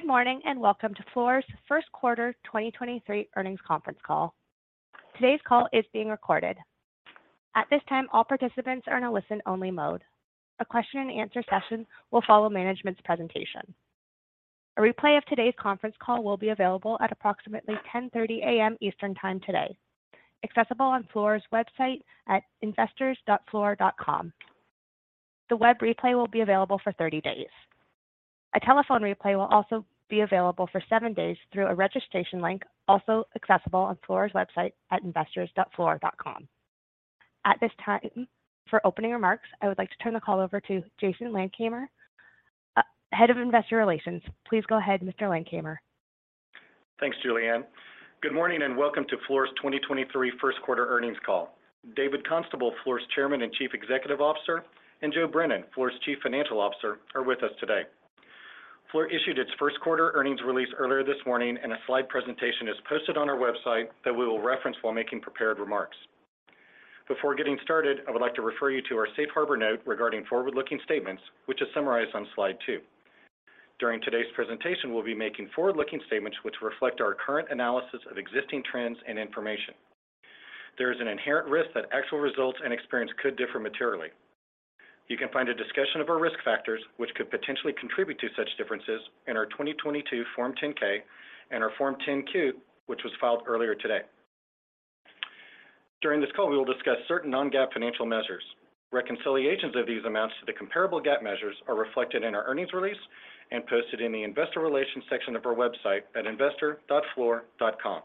Good morning, welcome to Fluor's first quarter 2023 earnings conference call. Today's call is being recorded. At this time, all participants are in a listen-only mode. A question and answer session will follow management's presentation. A replay of today's conference call will be available at approximately 10:30 A.M. Eastern Time today, accessible on Fluor's website at investors.fluor.com. The web replay will be available for 30 days. A telephone replay will also be available for 7 days through a registration link, also accessible on Fluor's website at investors.fluor.com. At this time, for opening remarks, I would like to turn the call over to Jason Landkamer, Head of Investor Relations. Please go ahead, Mr. Landkamer. Thanks, Julian. Good morning and welcome to Fluor's 2023 first quarter earnings call. David Constable, Fluor's Chairman and Chief Executive Officer, and Joe Brennan, Fluor's Chief Financial Officer, are with us today. Fluor issued its first quarter earnings release earlier this morning, and a slide presentation is posted on our website that we will reference while making prepared remarks. Before getting started, I would like to refer you to our Safe Harbor note regarding forward-looking statements, which is summarized on slide 2. During today's presentation, we'll be making forward-looking statements which reflect our current analysis of existing trends and information. There is an inherent risk that actual results and experience could differ materially. You can find a discussion of our risk factors, which could potentially contribute to such differences, in our 2022 Form 10-K and our Form 10-Q, which was filed earlier today. During this call, we will discuss certain non-GAAP financial measures. Reconciliations of these amounts to the comparable GAAP measures are reflected in our earnings release and posted in the investor relations section of our website at investor.fluor.com.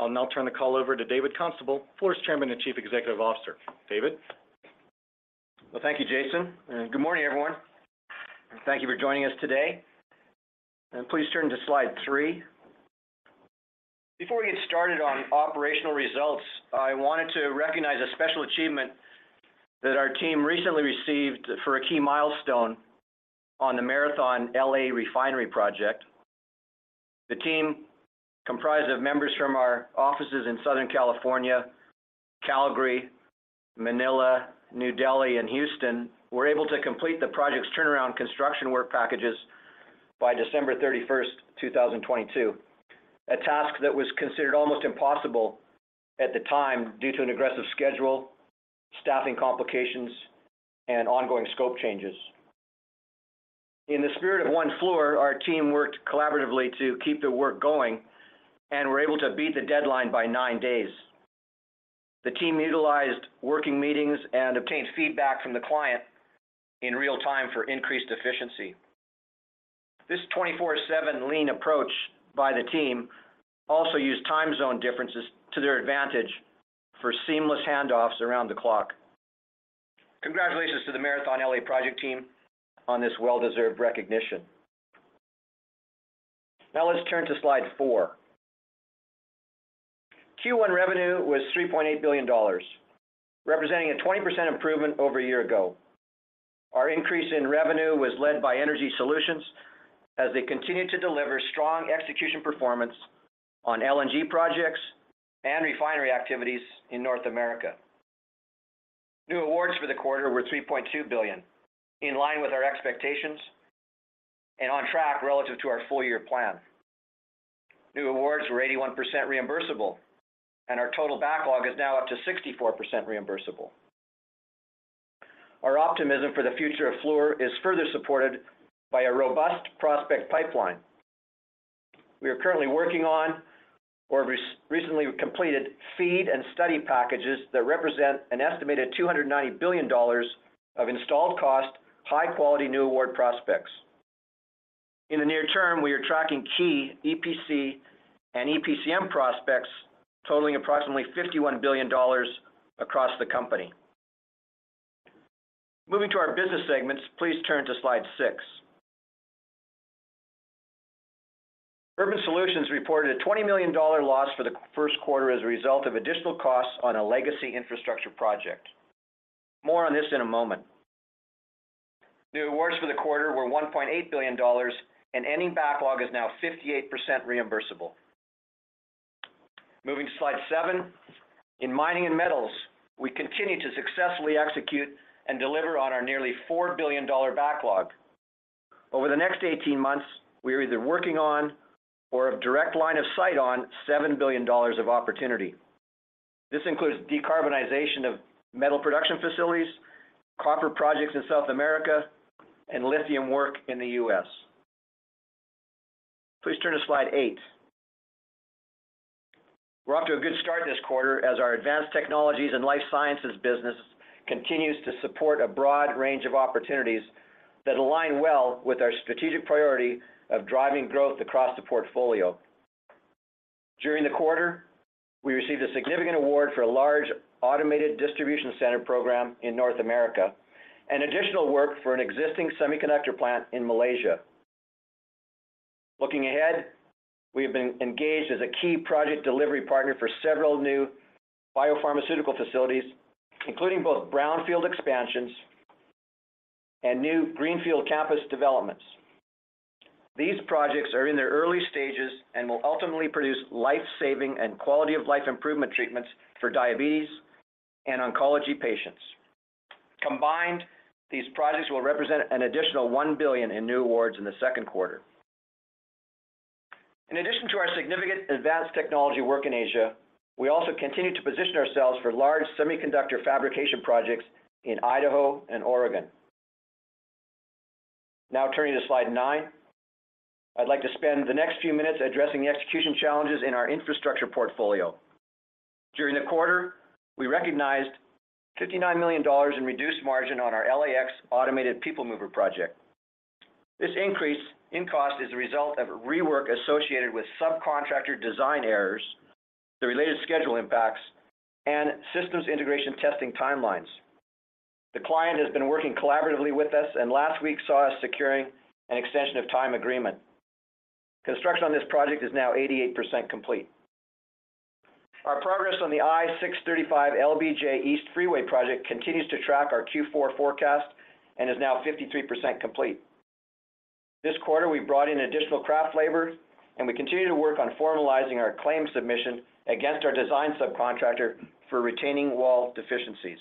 I'll now turn the call over to David Constable, Fluor's Chairman and Chief Executive Officer. David? Well, thank you, Jason, and good morning, everyone. Thank you for joining us today, and please turn to slide 3. Before we get started on operational results, I wanted to recognize a special achievement that our team recently received for a key milestone on the Marathon LA Refinery project. The team, comprised of members from our offices in Southern California, Calgary, Manila, New Delhi, and Houston, were able to complete the project's turnaround construction work packages by December 31st, 2022. A task that was considered almost impossible at the time due to an aggressive schedule, staffing complications, and ongoing scope changes. In the spirit of one Fluor our team worked collaboratively to keep the work going and were able to beat the deadline by 9 days. The team utilized working meetings and obtained feedback from the client in real time for increased efficiency. This 24/7 lean approach by the team also used time zone differences to their advantage for seamless handoffs around the clock. Congratulations to the Marathon L.A. project team on this well-deserved recognition. Let's turn to slide 4. Q1 revenue was $3.8 billion, representing a 20% improvement over a year ago. Our increase in revenue was led by Energy Solutions as they continued to deliver strong execution performance on LNG projects and refinery activities in North America. New awards for the quarter were $3.2 billion, in line with our expectations and on track relative to our full year plan. New awards were 81% reimbursable and our total backlog is now up to 64% reimbursable. Our optimism for the future of Fluor is further supported by a robust prospect pipeline. We are currently working on recently completed FEED and study packages that represent an estimated $290 billion of installed cost, high quality new award prospects. In the near term, we are tracking key EPC and EPCM prospects totaling approximately $51 billion across the company. Moving to our business segments, please turn to slide six. Urban Solutions reported a $20 million loss for the first quarter as a result of additional costs on a legacy infrastructure project. More on this in a moment. New awards for the quarter were $1.8 billion and ending backlog is now 58% reimbursable. Moving to slide seven. In mining and metals we continue to successfully execute and deliver on our nearly $4 billion backlog. Over the next 18 months, we are either working on or have direct line of sight on $7 billion of opportunity. This includes decarbonization of metal production facilities, copper projects in South America, and lithium work in the U.S. Please turn to slide 8. We're off to a good start this quarter as our advanced technologies and life sciences business continues to support a broad range of opportunities that align well with our strategic priority of driving growth across the portfolio. During the quarter, we received a significant award for a large automated distribution center program in North America and additional work for an existing semiconductor plant in Malaysia. Looking ahead, we have been engaged as a key project delivery partner for several new biopharmaceutical facilities, including both brownfield expansions and new greenfield campus developments. These projects are in their early stages and will ultimately produce life-saving and quality of life improvement treatments for diabetes and oncology patients. Combined, these projects will represent an additional $1 billion in new awards in the second quarter. In addition to our significant advanced technology work in Asia, we also continue to position ourselves for large semiconductor fabrication projects in Idaho and Oregon. Turning to slide 9, I'd like to spend the next few minutes addressing the execution challenges in our infrastructure portfolio. During the quarter, we recognized $59 million in reduced margin on our LAX automated people mover project. This increase in cost is a result of rework associated with subcontractor design errors, the related schedule impacts, and systems integration testing timelines. The client has been working collaboratively with us, and last week saw us securing an extension of time agreement. Construction on this project is now 88% complete. Our progress on the I-635 LBJ East Freeway project continues to track our Q4 forecast and is now 53% complete. This quarter we brought in additional craft labor, and we continue to work on formalizing our claim submission against our design subcontractor for retaining wall deficiencies.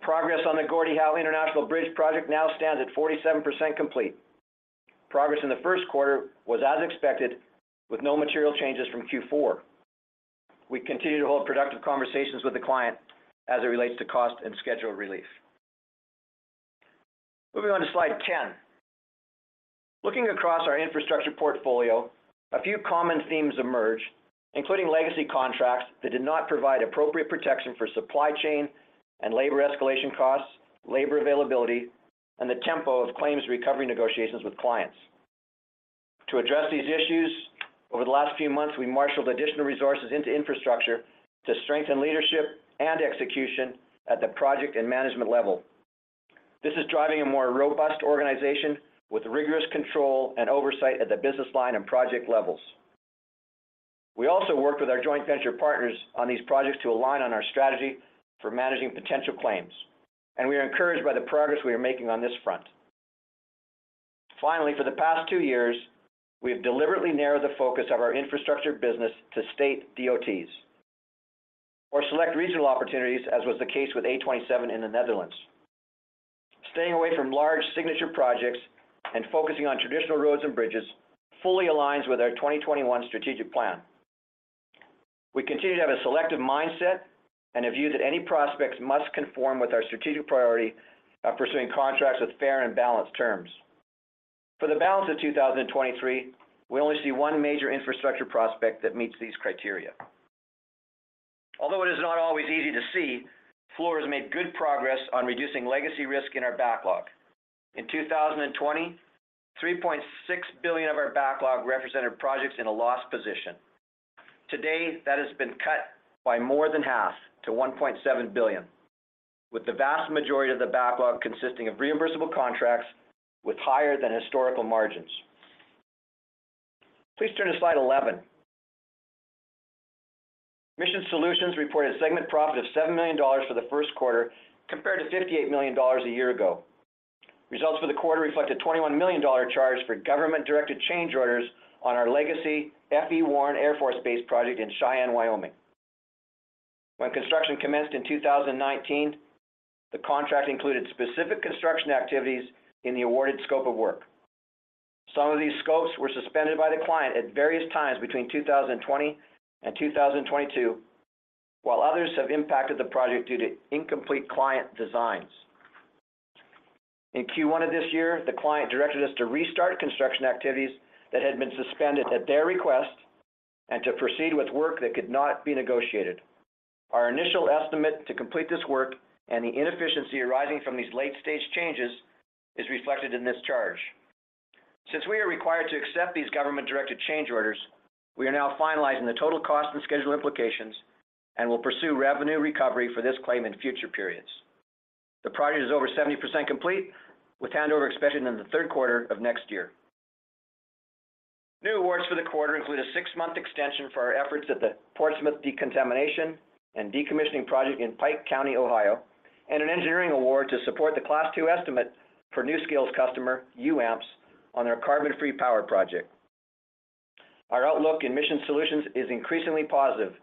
Progress on the Gordie Howe International Bridge project now stands at 47% complete. Progress in the first quarter was as expected, with no material changes from Q4. We continue to hold productive conversations with the client as it relates to cost and schedule relief. Moving on to slide 10. Looking across our infrastructure portfolio, a few common themes emerge, including legacy contracts that did not provide appropriate protection for supply chain and labor escalation costs, labor availability, and the tempo of claims recovery negotiations with clients. To address these issues, over the last few months, we marshaled additional resources into infrastructure to strengthen leadership and execution at the project and management level. This is driving a more robust organization with rigorous control and oversight at the business line and project levels. We also worked with our joint venture partners on these projects to align on our strategy for managing potential claims, and we are encouraged by the progress we are making on this front. Finally for the past two years, we have deliberately narrowed the focus of our infrastructure business to state DOTs, or select regional opportunities as was the case with A27 in the Netherlands. Staying away from large signature projects and focusing on traditional roads and bridges fully aligns with our 2021 strategic plan. We continue to have a selective mindset and a view that any prospects must conform with our strategic priority of pursuing contracts with fair and balanced terms. For the balance of 2023, we only see 1 major infrastructure prospect that meets these criteria. Although it is not always easy to see, Fluor has made good progress on reducing legacy risk in our backlog. In 2020, $3.6 billion of our backlog represented projects in a loss position. Today that has been cut by more than half to $1.7 billion, with the vast majority of the backlog consisting of reimbursable contracts with higher than historical margins. Please turn to slide 11. Mission Solutions reported segment profit of $7 million for the first quarter compared to $58 million a year ago. Results for the quarter reflect a $21 million charge for government-directed change orders on our legacy F.E. Warren Air Force Base project in Cheyenne, Wyoming. When construction commenced in 2019, the contract included specific construction activities in the awarded scope of work. Some of these scopes were suspended by the client at various times between 2020 and 2022, while others have impacted the project due to incomplete client designs. In Q1 of this year the client directed us to restart construction activities that had been suspended at their request and to proceed with work that could not be negotiated. Our initial estimate to complete this work and the inefficiency arising from these late-stage changes is reflected in this charge. Since we are required to accept these government-directed change orders, we are now finalizing the total cost and schedule implications and will pursue revenue recovery for this claim in future periods. The project is over 70% complete, with handover expected in the third quarter of next year. New awards for the quarter include a 6-month extension for our efforts at the Portsmouth Decontamination and Decommissioning Project in Pike County, Ohio and an engineering award to support the Class II estimate for NuScale's customer, UAMPS, on their carbon-free power project. Our outlook in Mission Solutions is increasingly positive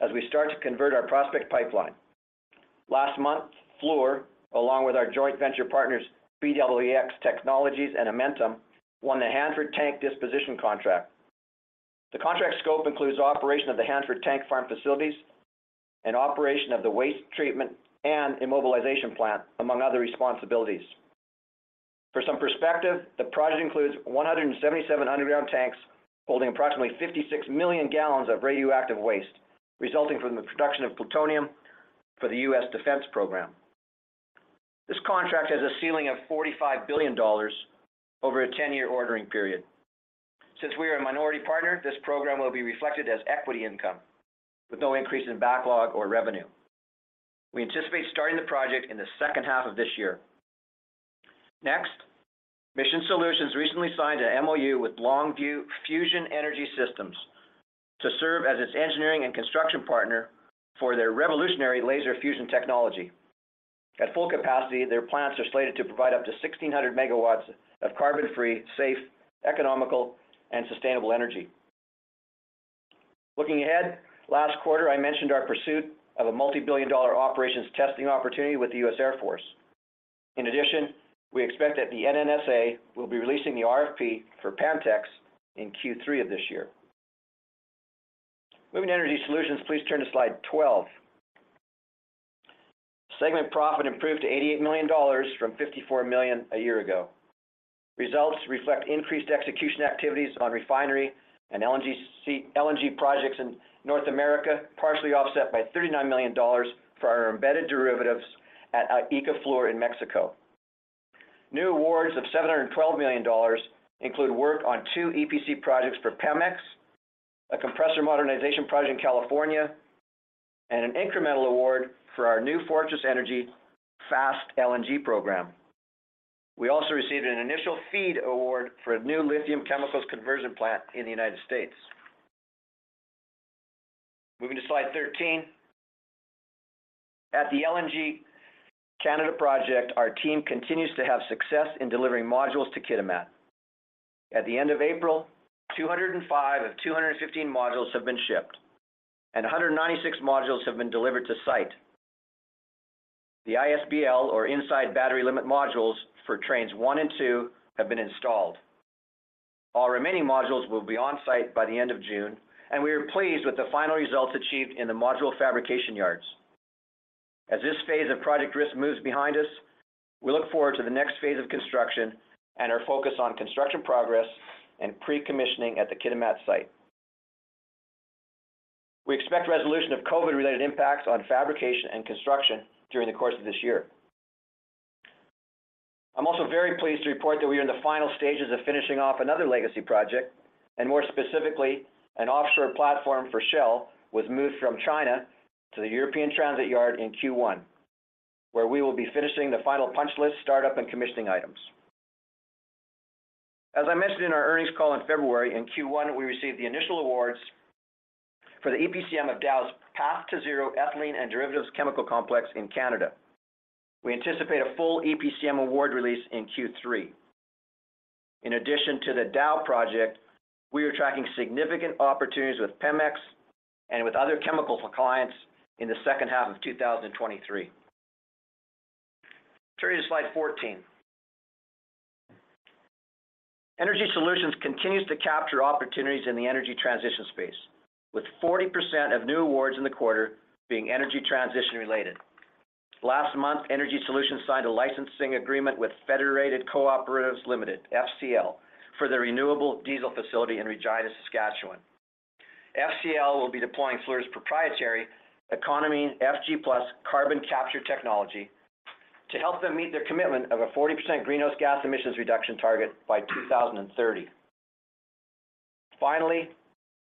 as we start to convert our prospect pipeline. Last month, Fluor, along with our joint venture partners, BWX Technologies and Amentum, won the Hanford Tank Disposition Contract. The contract scope includes operation of the Hanford Tank Farm Facilities and operation of the Waste Treatment and Immobilization Plant, among other responsibilities. For some perspective, the project includes 177 underground tanks holding approximately 56 million gallons of radioactive waste resulting from the production of plutonium for the U.S. Defense Program. This contract has a ceiling of $45 billion over a 10-year ordering period. Since we are a minority partner this program will be reflected as equity income, with no increase in backlog or revenue. We anticipate starting the project in the second half of this year. Next, Mission Solutions recently signed an MOU with Longview Fusion Energy Systems to serve as its engineering and construction partner for their revolutionary laser fusion technology. At full capacity, their plants are slated to provide up to 1,600 megawatts of carbon-free, safe, economical, and sustainable energy. Looking ahead last quarter I mentioned our pursuit of a multi-billion dollar operations testing opportunity with the U.S. Air Force. In addition, we expect that the NNSA will be releasing the RFP for Pantex in Q3 of this year. Moving to Energy Solutions, please turn to slide 12. Segment profit improved to $88 million from $54 million a year ago. Results reflect increased execution activities on refinery and LNG projects in North America, partially offset by $39 million for our embedded derivatives at ICA Fluor in Mexico. New awards of $712 million include work on two EPC projects for Pemex, a compressor modernization project in California, and an incremental award for our New Fortress Energy Fast LNG program. We also received an initial FEED award for a new lithium chemicals conversion plant in the United States. Moving to slide 13. At the LNG Canada project, our team continues to have success in delivering modules to Kitimat. At the end of April, 205 of 215 modules have been shipped, and 196 modules have been delivered to site. The ISBL or inside battery limit modules for trains 1 and 2 have been installed. All remaining modules will be on site by the end of June, and we are pleased with the final results achieved in the module fabrication yards. As this phase of project risk moves behind us, we look forward to the next phase of construction and are focused on construction progress and pre-commissioning at the Kitimat site. We expect resolution of COVID-related impacts on fabrication and construction during the course of this year. I'm also very pleased to report that we are in the final stages of finishing off another legacy project, and more specifically, an offshore platform for Shell was moved from China to the European transit yard in Q1, where we will be finishing the final punch list, startup and commissioning items. As I mentioned in our earnings call in February, in Q1 we received the initial awards for the EPCM of Dow's Path2Zero ethylene and derivatives chemical complex in Canada. We anticipate a full EPCM award release in Q3. In addition to the Dow project, we are tracking significant opportunities with Pemex and with other chemical clients in the second half of 2023. Turning to slide 14. Energy Solutions continues to capture opportunities in the energy transition space, with 40% of new awards in the quarter being energy transition related. Last month, Energy Solutions signed a licensing agreement with Federated Co-Operatives Limited, FCL, for their renewable diesel facility in Regina, Saskatchewan. FCL will be deploying Fluor's proprietary Econamine FG Plus carbon capture technology to help them meet their commitment of a 40% greenhouse gas emissions reduction target by 2030. Finally,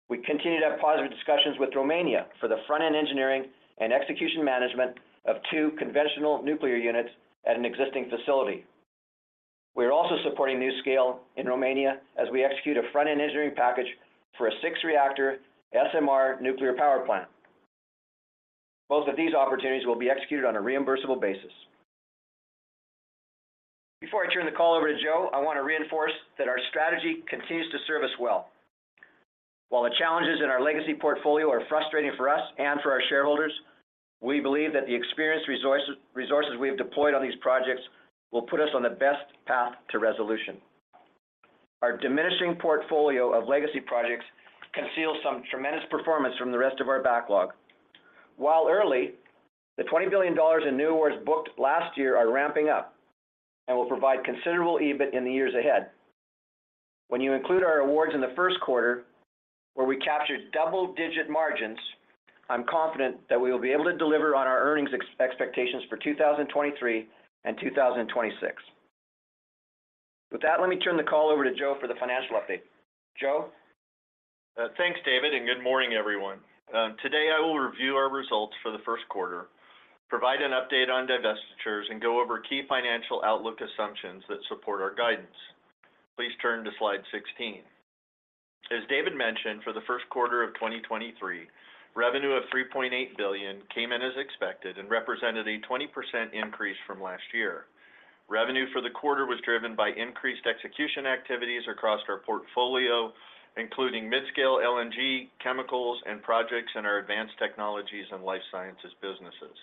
we continue to have positive discussions with Romania for the front-end engineering and execution management of 2 conventional nuclear units at an existing facility. We are also supporting NuScale in Romania as we execute a front-end engineering package for a 6-reactor SMR nuclear power plant. Both of these opportunities will be executed on a reimbursable basis. Before I turn the call over to Joe, I want to reinforce that our strategy continues to serve us well. While the challenges in our legacy portfolio are frustrating for us and for our shareholders, we believe that the experienced resources we have deployed on these projects will put us on the best path to resolution. Our diminishing portfolio of legacy projects conceals some tremendous performance from the rest of our backlog. While early, the $20 billion in new awards booked last year are ramping up and will provide considerable EBIT in the years ahead. When you include our awards in the first quarter, where we captured double-digit margins, I'm confident that we will be able to deliver on our earnings expectations for 2023 and 2026. With that, let me turn the call over to Joe for the financial update. Joe? Thanks, David, good morning, everyone. Today I will review our results for the first quarter, provide an update on divestitures go over key financial outlook assumptions that support our guidance. Please turn to slide 16. As David mentioned for the first quarter of 2023, revenue of $3.8 billion came in as expected, represented a 20% increase from last year. Revenue for the quarter was driven by increased execution activities across our portfolio, including mid-scale LNG, chemicals and projects in our advanced technologies and life sciences businesses.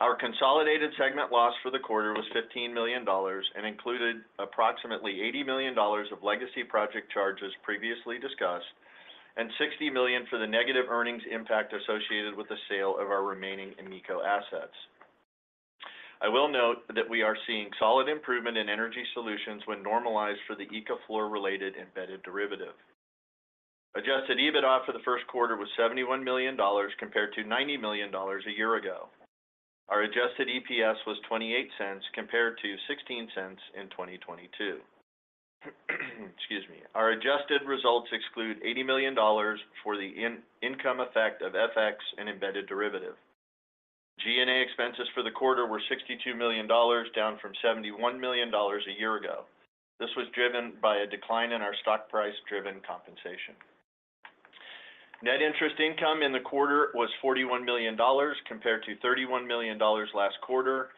Our consolidated segment loss for the quarter was $15 million, included approximately $80 million of legacy project charges previously discussed, $60 million for the negative earnings impact associated with the sale of our remaining AMECO assets. I will note that we are seeing solid improvement in Energy Solutions when normalized for the Fluor-related embedded derivative. Adjusted EBITDA for the first quarter was $71 million compared to $90 million a year ago. Our adjusted EPS was $0.28 compared to $0.16 in 2022. Excuse me. Our adjusted results exclude $80 million for the income effect of FX and embedded derivative. G&A expenses for the quarter were $62 million, down from $71 million a year ago. This was driven by a decline in our stock price-driven compensation. Net interest income in the quarter was $41 million compared to $31 million last quarter.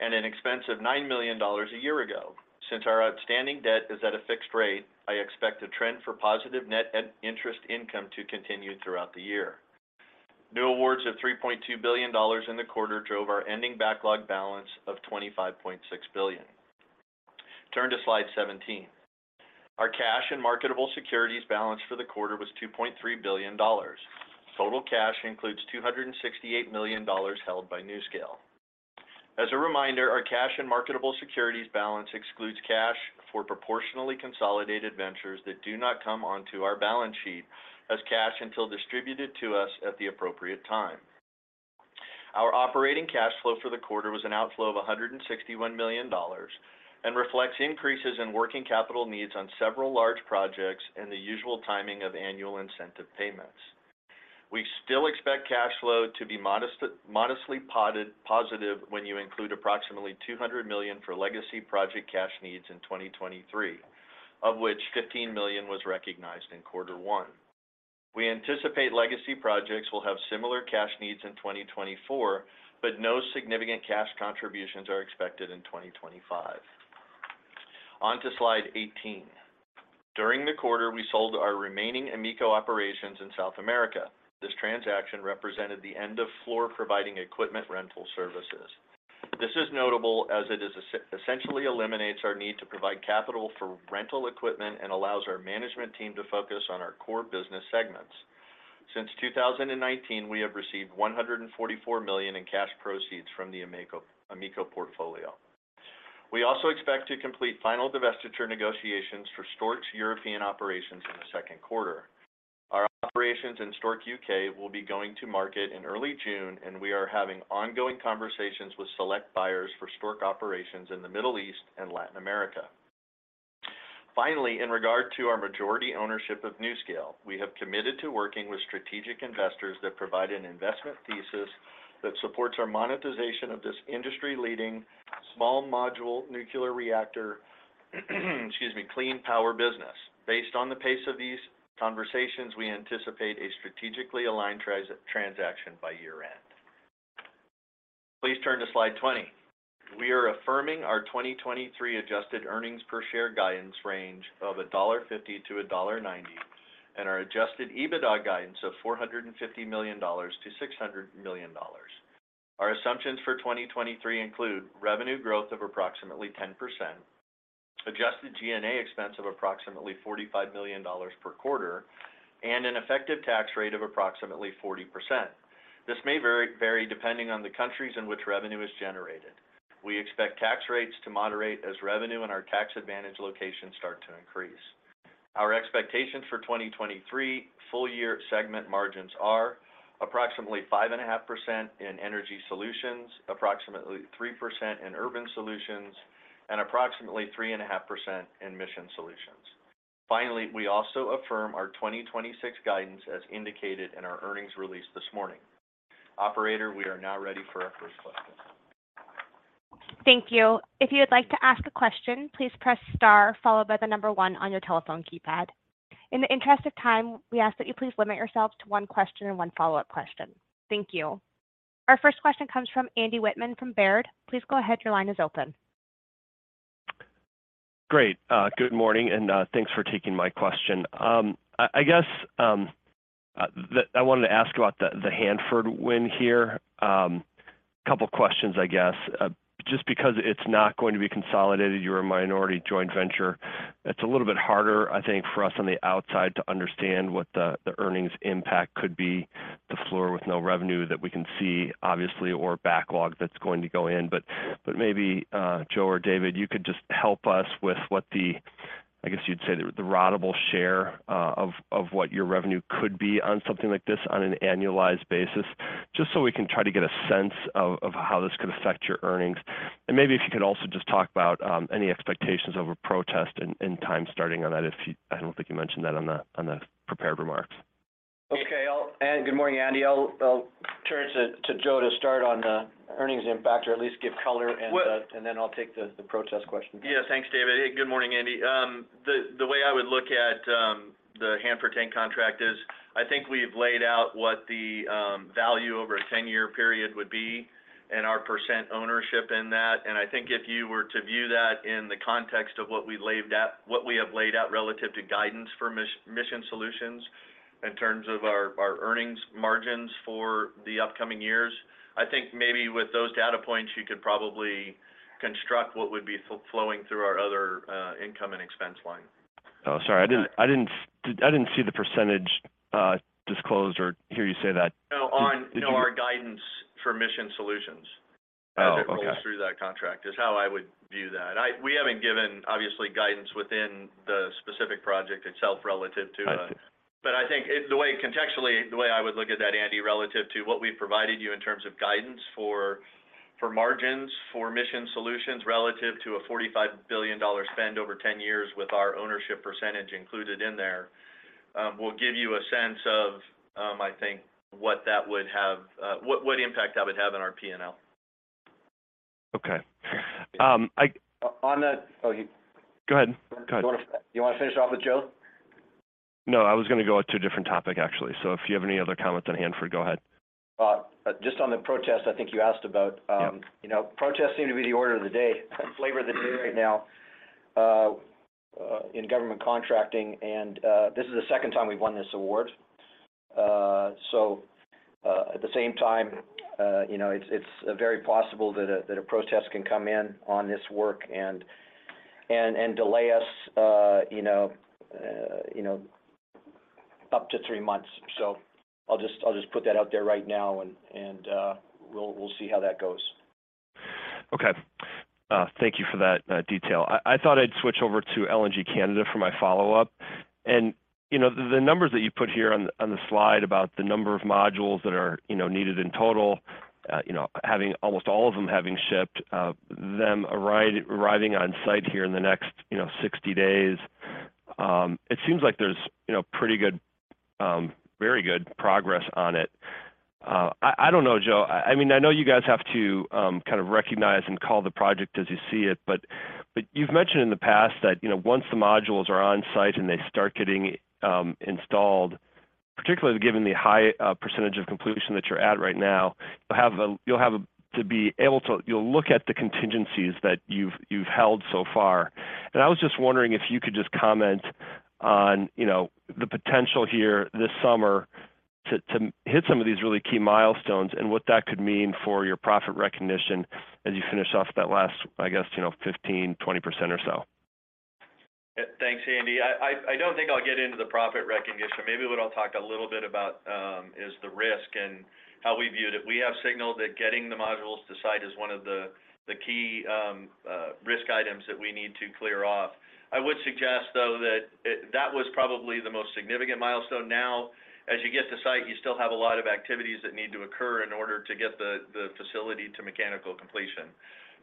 An expense of $9 million a year ago. Since our outstanding debt is at a fixed rate, I expect a trend for positive net interest income to continue throughout the year. New awards of $3.2 billion in the quarter drove our ending backlog balance of $25.6 billion. Turn to slide 17. Our cash and marketable securities balance for the quarter was $2.3 billion. Total cash includes $268 million held by NuScale. As a reminder, our cash and marketable securities balance excludes cash for proportionally consolidated ventures that do not come onto our balance sheet as cash until distributed to us at the appropriate time. Our operating cash flow for the quarter was an outflow of $161 million and reflects increases in working capital needs on several large projects and the usual timing of annual incentive payments. We still expect cash flow to be modestly positive when you include approximately $200 million for legacy project cash needs in 2023, of which $15 million was recognized in quarter one. We anticipate legacy projects will have similar cash needs in 2024, but no significant cash contributions are expected in 2025. On to slide 18. During the quarter we sold our remaining AMECO operations in South America. This transaction represented the end of Fluor providing equipment rental services. This is notable as it essentially eliminates our need to provide capital for rental equipment and allows our management team to focus on our core business segments. Since 2019, we have received $144 million in cash proceeds from the AMECO portfolio. We also expect to complete final divestiture negotiations for Stork's European operations in the second quarter. Our operations in Stork UK will be going to market in early June, we are having ongoing conversations with select buyers for Stork operations in the Middle East and Latin America. Finally, in regard to our majority ownership of NuScale, we have committed to working with strategic investors that provide an investment thesis that supports our monetization of this industry-leading small module nuclear reactor, excuse me, clean power business. Based on the pace of these conversations, we anticipate a strategically aligned transaction by year-end. Please turn to slide 20. We are affirming our 2023 adjusted earnings per share guidance range of $1.50 to $1.90, our adjusted EBITDA guidance of $450 million to $600 million. Our assumptions for 2023 include revenue growth of approximately 10%, adjusted G&A expense of approximately $45 million per quarter, and an effective tax rate of approximately 40%. This may vary depending on the countries in which revenue is generated. We expect tax rates to moderate as revenue in our tax advantage locations start to increase. Our expectations for 2023 full year segment margins are approximately 5.5% in Energy Solutions, approximately 3% in Urban Solutions, and approximately 3.5% in Mission Solutions. We also affirm our 2026 guidance as indicated in our earnings release this morning. Operator, we are now ready for our first question. Thank you. If you would like to ask a question, please press star followed by the number one on your telephone keypad. In the interest of time, we ask that you please limit yourselves to 1 question and 1 follow-up question. Thank you. Our first question comes from Andy Wittmann from Baird. Please go ahead, your line is open. Great. Good morning, and thanks for taking my question. I guess I wanted to ask about the Hanford win here. A couple questions, I guess. Just because it's not going to be consolidated, you are a minority joint venture, it's a little bit harder, I think, for us on the outside to understand what the earnings impact could be to Fluor with no revenue that we can see, obviously, or backlog that's going to go in. Maybe Joe or David, you could just help us with what the, I guess you'd say the ratable share of what your revenue could be on something like this on an annualized basis, just so we can try to get a sense of how this could affect your earnings. Maybe if you could also just talk about any expectations of a protest in time starting on that. I don't think you mentioned that on the prepared remarks. Okay. good morning, Andy. I'll turn it to Joe to start on the earnings impact or at least give color. Well- Then I'll take the protest question. Thanks, David. Good morning, Andy. The way I would look at the Hanford Tank contract is I think we've laid out what the value over a 10-year period would be and our percent ownership in that. I think if you were to view that in the context of what we laid out, what we have laid out relative to guidance for Mission Solutions in terms of our earnings margins for the upcoming years, I think maybe with those data points, you could probably construct what would be flowing through our other income and expense line. Oh, sorry. I didn't see the percentage disclosed or hear you say that. No. On, you know, our guidance for Mission Solutions- Oh, okay.... as it rolls through that contract is how I would view that. We haven't given, obviously, guidance within the specific project itself relative to. I see. But I think contextually, the way I would look at that, Andy, relative to what we've provided you in terms of guidance for margins for Mission Solutions relative to a $45 billion spend over 10 years with our ownership percentage included in there, will give you a sense of, I think what that would have, what impact that would have in our P&L. Okay. On the... Oh. Go ahead. Go ahead. You wanna finish off with Joe? No, I was gonna go to a different topic actually. If you have any other comments on Hanford, go ahead. Just on the protest, I think you asked about. Yeah. You know, protests seem to be the order of the day, flavor of the day right now in government contracting. This is the second time we've won this award. At the same time, you know, it's very possible that a protest can come in on this work and delay us, you know, up to 3 months. So I'll just put that out there right now and we'll see how that goes. Okay. Thank you for that detail. I thought I'd switch over to LNG Canada for my follow-up. You know, the numbers that you put here on the slide about the number of modules that are, you know, needed in total, you know, having almost all of them having shipped, them arriving on site here in the next, you know, 60 days, it seems like there's, you know, pretty good, very good progress on it. I don't know, Joe. I mean, I know you guys have to, kind of recognize and call the project as you see it, but you've mentioned in the past that, you know, once the modules are on site and they start getting installed, particularly given the high percentage of completion that you are at right now, you'll look at the contingencies that you've held so far. I was just wondering if you could just comment on, you know, the potential here this summer to hit some of these really key milestones, and what that could mean for your profit recognition as you finish off that last, I guess, you know, 15%-20% or so? Thanks, Andy. I don't think I'll get into the profit recognition. Maybe what I'll talk a little bit about is the risk and how we viewed it. We have signaled that getting the modules to site is one of the key risk items that we need to clear off. I would suggest, though, that was probably the most significant milestone. As you get to site, you still have a lot of activities that need to occur in order to get the facility to mechanical completion.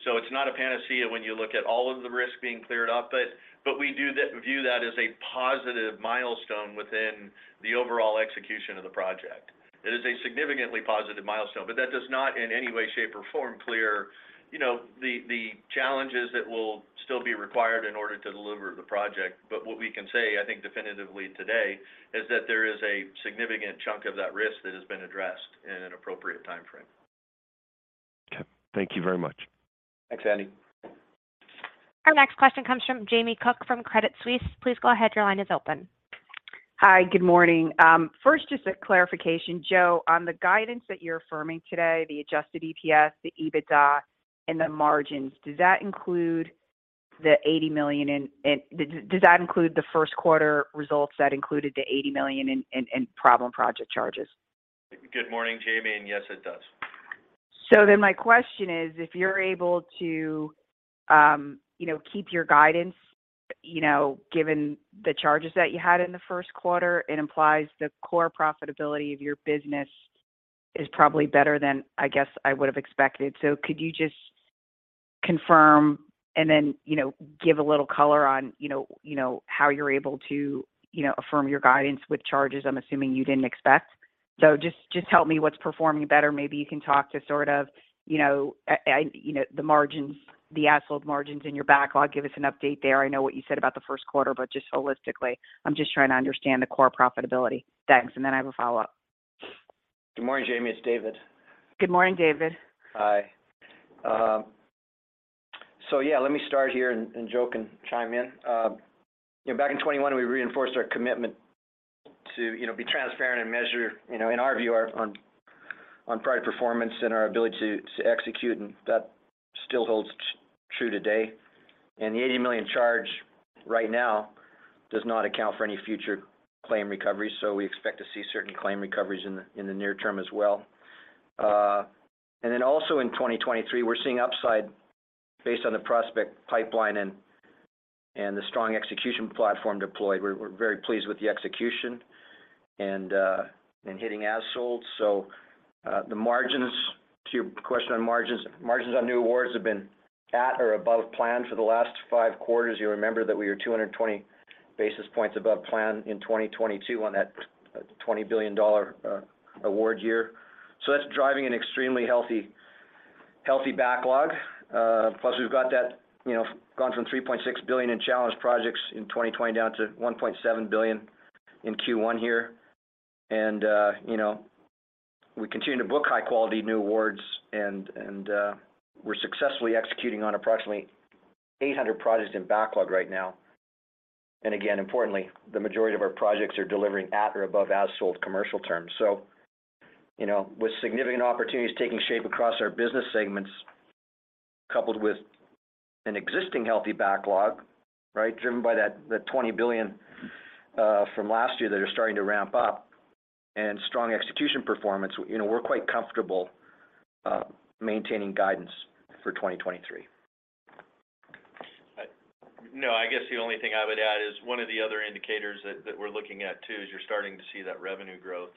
It's not a panacea when you look at all of the risk being cleared up. We do view that as a positive milestone within the overall execution of the project. It is a significantly positive milestone. That does not in any way, shape, or form clear, you know, the challenges that will still be required in order to deliver the project. What we can say, I think definitively today, is that there is a significant chunk of that risk that has been addressed in an appropriate timeframe. Okay. Thank you very much. Thanks, Andy. Our next question comes from Jamie Cook from Credit Suisse. Please go ahead, your line is open. Hi, good morning. first, just a clarification. Joe, on the guidance that you're affirming today, the adjusted EPS, the EBITDA, and the margins, does that include the $80 million does that include the first quarter results that included the $80 million in problem project charges? Good morning, Jamie, and yes, it does. My question is, if you're able to, you know, keep your guidance, you know, given the charges that you had in the first quarter, it implies the core profitability of your business is probably better than, I guess, I would have expected. Could you just confirm, and then you know give a little color on, you know, how you are able to, you know, affirm your guidance with charges I'm assuming you didn't expect? Just help me what's performing better. Maybe you can talk to sort of, you know, the margins, the as-sold margins in your backlog. Give us an update there. I know what you said about the first quarter, but just holistically, I'm just trying to understand the core profitability. Thanks. Then I have a follow-up. Good morning, Jamie. It's David. Good morning, David. Hi. yeah, let me start here, and Joe can chime in. you know, back in 2021, we reinforced our commitment to, you know, be transparent and measure, you know, in our view, our on product performance and our ability to execute, and that still holds true today. The $80 million charge right now does not account for any future claim recovery. So we expect to see certain claim recoveries in the near term as well. Also in 2023, we're seeing upside based on the prospect pipeline and the strong execution platform deployed. We're very pleased with the execution and hitting as-sold. The margins, to your question on margins on new awards have been at or above plan for the last five quarters. You'll remember that we were 220 basis points above plan in 2022 on that $20 billion award year. That's driving an extremely healthy backlog. Plus we have got that, you know, gone from $3.6 billion in challenged projects in 2020 down to $1.7 billion in Q1 here. You know, we continue to book high quality new awards and we are successfully executing on approximately 800 projects in backlog right now. Again, importantly, the majority of our projects are delivering at or above as-sold commercial terms. You know, with significant opportunities taking shape across our business segments, coupled with an existing healthy backlog, right? Driven by that $20 billion from last year that are starting to ramp up and strong execution performance, you know, we're quite comfortable maintaining guidance for 2023. No, I guess the only thing I would add is one of the other indicators that we're looking at too, is you're starting to see that revenue growth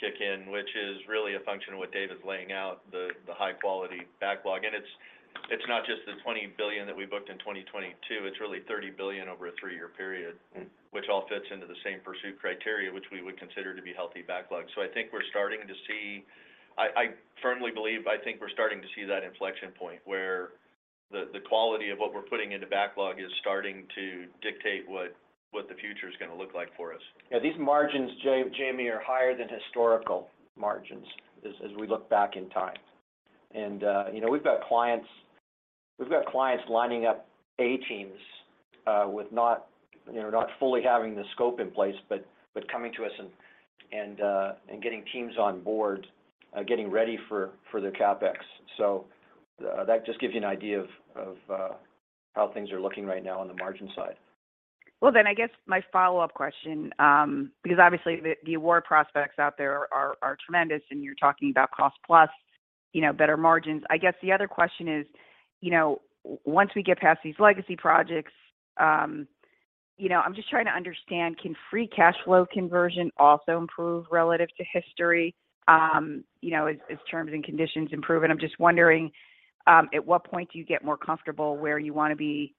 kick in, which is really a function of what Dave is laying out, the high quality backlog. It's not just the $20 billion that we booked in 2022, it's really $30 billion over a three-year period. Mm-hmm Which all fits into the same pursuit criteria, which we would consider to be healthy backlog. I firmly believe, I think we're starting to see that inflection point where the quality of what we're putting into backlog is starting to dictate what the future's gonna look like for us. Yeah, these margins, Jamie, are higher than historical margins as we look back in time. You know, we have got clients lining up A teams with not, you know, not fully having the scope in place, but coming to us and getting teams on board getting ready for their CapEx. That just gives you an idea of how things are looking right now on the margin side. I guess my follow-up question, because obviously the award prospects out there are tremendous and you're talking about cost plus, you know, better margins. I guess the other question is, you know, once we get past these legacy projects, you know, I'm just trying to understand, can free cash flow conversion also improve relative to history? You know, as terms and conditions improve, and I'm just wondering, at what point do you get more comfortable where you wanna be,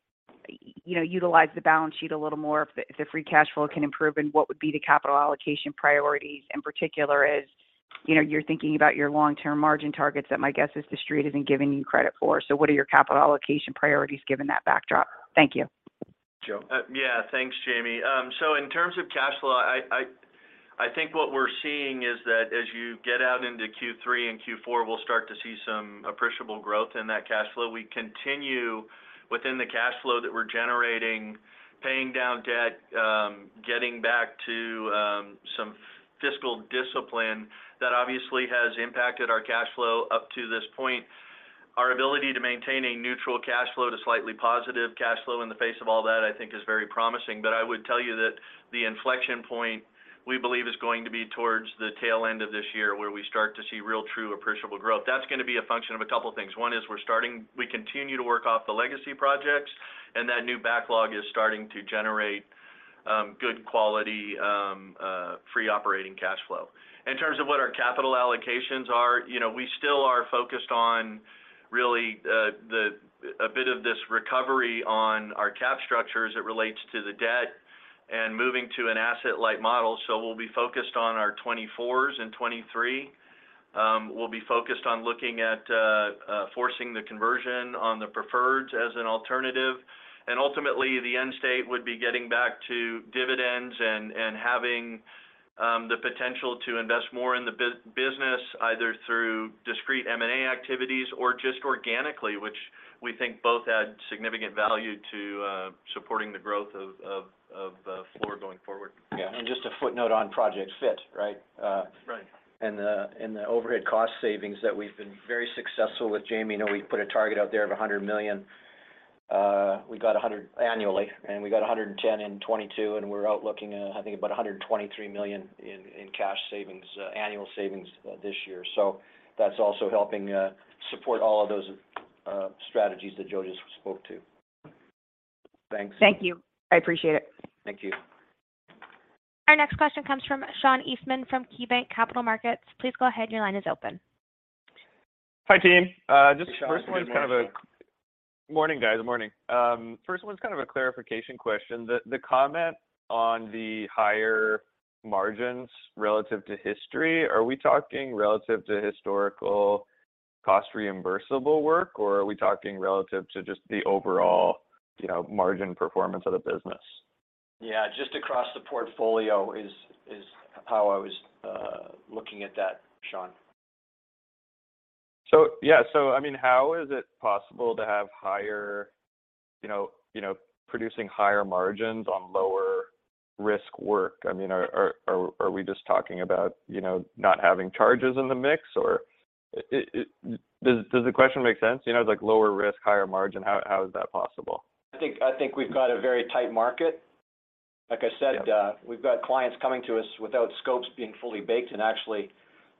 you know, utilize the balance sheet a little more if the free cash flow can improve, and what would be the capital allocation priorities in particular as, you know, you're thinking about your long-term margin targets that my guess is The Street isn't giving you credit for. What are your capital allocation priorities given that backdrop? Thank you. Joe? Yeah, thanks Jamie. In terms of cash flow, I think what we're seeing is that as you get out into Q3 and Q4, we'll start to see some appreciable growth in that cash flow. We continue within the cash flow that we're generating, paying down debt, getting back to some fiscal discipline that obviously has impacted our cash flow up to this point. Our ability to maintain a neutral cash flow to slightly positive cash flow in the face of all that I think is very promising. I would tell you that the inflection point we believe is going to be towards the tail end of this year where we start to see real true appreciable growth. That's gonna be a function of a couple things. One is we're starting... we continue to work off the legacy projects. That new backlog is starting to generate good quality free operating cash flow. In terms of what our capital allocations are, you know, we still are focused on really a bit of this recovery on our cap structure as it relates to the debt and moving to an asset-light model. We'll be focused on our 2024s and 2023. We'll be focused on looking at, forcing the conversion on the preferreds as an alternative. Ultimately the end state would be getting back to dividends and having the potential to invest more in the business, either through discrete M&A activities or just organically, which we think both add significant value to supporting the growth of Fluor going forward. Yeah. Just a footnote on Project Fit, right? and the overhead cost savings that we've been very successful with, Jamie. I know we put a target out there of $100 million, we got $100 annually, and we got $110 in 2022, and we're out looking at I think about $123 million in cash savings, annual savings, this year. That's also helping support all of those strategies that Joe just spoke to. Thanks. Thank you. I appreciate it. Thank you. Our next question comes from Sean Eastman from KeyBanc Capital Markets. Please go ahead, your line is open. Hi, team. Hey, Sean. Good morning. Morning, guys. Morning. First one's kind of a clarification question. The comment on the higher margins relative to history, are we talking relative to historical cost reimbursable work or are we talking relative to just the overall, you know, margin performance of the business? Yeah, just across the portfolio is how I was looking at that, Sean. Yeah, I mean, how is it possible to have higher, you know, producing higher margins on lower risk work? I mean, are we just talking about, you know, not having charges in the mix? Or does the question make sense? You know, like lower risk, higher margin, how is that possible? I think we've got a very tight market. Like I said. Yeah We have got clients coming to us without scopes being fully baked and actually,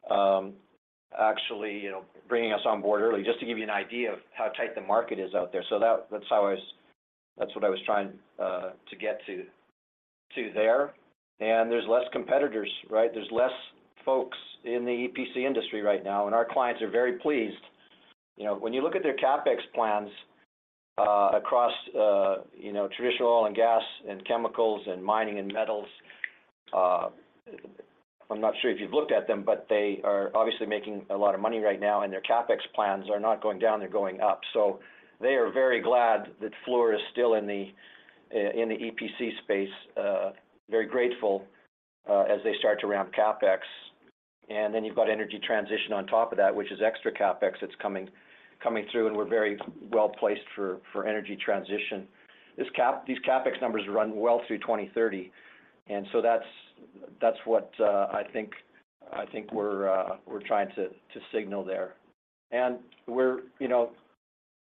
you know, bringing us on board early just to give you an idea of how tight the market is out there. That's what I was trying to get to there. There's less competitors, right? There's less folks in the EPC industry right now, and our clients are very pleased. You know, when you look at their CapEx plans, across, you know, traditional oil and gas and chemicals and mining and metals, I'm not sure if you have looked at them, but they are obviously making a lot of money right now and their CapEx plans are not going down, they're going up. They are very glad that Fluor is still in the EPC space, very grateful as they start to ramp CapEx. You've got energy transition on top of that, which is extra CapEx that's coming through, and we're very well-placed for energy transition. These CapEx numbers run well through 2030, that's what I think we are trying to signal there. We're, you know,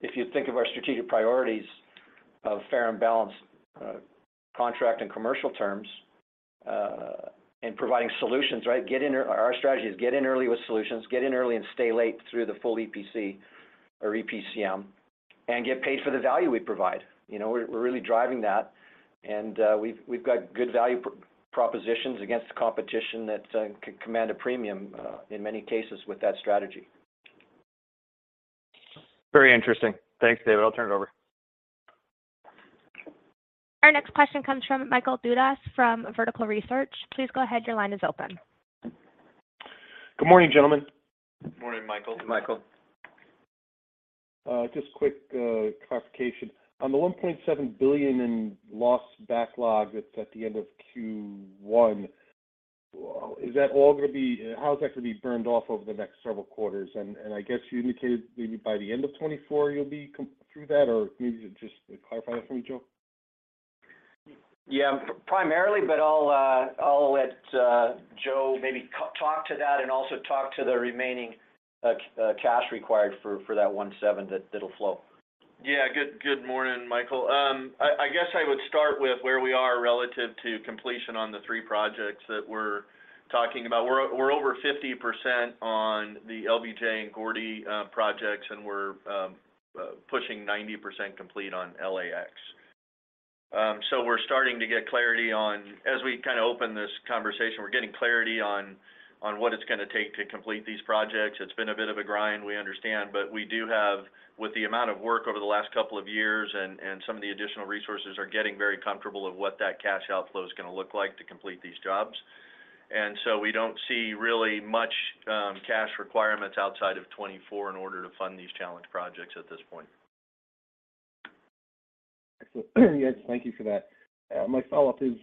if you think of our strategic priorities of fair and balanced contract and commercial terms and providing solutions, right? Our strategy is get in early with solutions, get in early and stay late through the full EPC or EPCM, and get paid for the value we provide. You know, we are really driving that and we've got good value propositions against the competition that can command a premium in many cases with that strategy. Very interesting. Thanks, David. I'll turn it over Our next question comes from Michael Dudas from Vertical Research. Please go ahead, your line is open. Good morning, gentlemen. Morning, Michael. Michael. Just quick clarification. On the $1.7 billion in loss backlog that's at the end of Q1, how is that gonna be burned off over the next several quarters? I guess you indicated maybe by the end of 2024 you'll be through that, or maybe just clarify that for me, Joe. Yeah, primarily, but I'll let Joe maybe talk to that and also talk to the remaining cash required for that 17 that'll flow. Good morning, Michael. I guess I would start with where we are relative to completion on the three projects that we are talking about. We're over 50% on the LBJ and Gordie Howe projects, pushing 90% complete on LAX. We're starting to get clarity on. As we kind of open this conversation, we're getting clarity on what it's gonna take to complete these projects. It's been a bit of a grind, we understand. We do have, with the amount of work over the last couple of years and some of the additional resources, are getting very comfortable of what that cash outflow is gonna look like to complete these jobs. We don't see really much cash requirements outside of 2024 in order to fund these challenge projects at this point. Excellent. Yes, thank you for that. My follow-up is,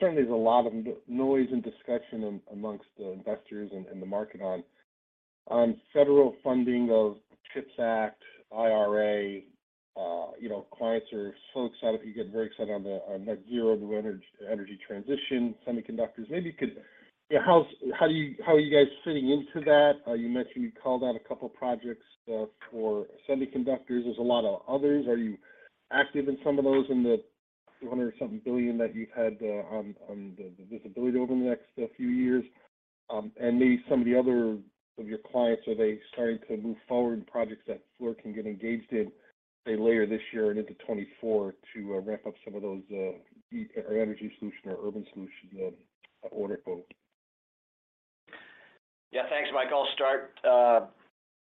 certainly there's a lot of noise and discussion amongst the investors in the market on federal funding of CHIPS Act, IRA. you know, clients are so excited, you get very excited on the, on net zero, the energy transition, semiconductors. How are you guys fitting into that? you mentioned you called out a couple projects for semiconductors. There's a lot of others. Are you active in some of those in the $200 or something billion that you've had on the visibility over the next few years? Maybe some of the other of your clients, are they starting to move forward in projects that Fluor can get engaged in, say, later this year and into 2024 to ramp up some of those Energy Solutions or Urban Solutions order book? Yeah. Thanks, Mike. I'll start.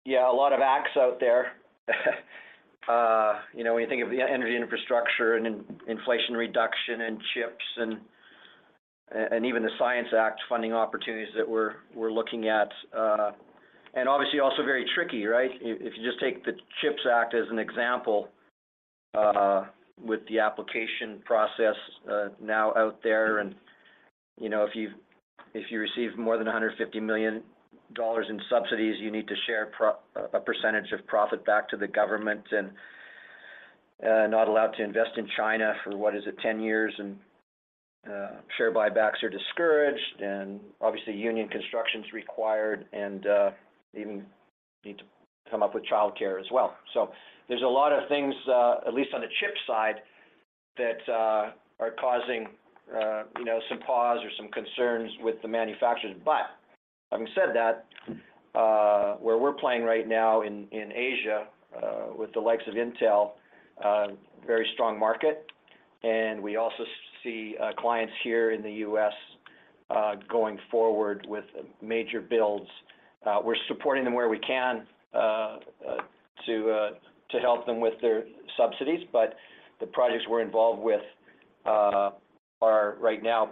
Yeah, a lot of acts out there, you know, when you think of the Energy Infrastructure Act and Inflation Reduction Act and CHIPS Act and even the Science Act funding opportunities that we're looking at. Obviously also very tricky, right? If you just take the CHIPS Act as an example, with the application process, now out there. You know, if you receive more than $150 million in subsidies, you need to share a percentage of profit back to the government, not allowed to invest in China for, what is it, 10 years. Share buybacks are discouraged, obviously union construction's required, even need to come up with childcare as well. There's a lot of things, at least on the CHIPS side, that are causing, you know, some pause or some concerns with the manufacturers. Having said that, where we're playing right now in Asia, with the likes of Intel, very strong market. We also see clients here in the U.S., going forward with major builds. We're supporting them where we can, to help them with their subsidies. The projects we're involved with, are right now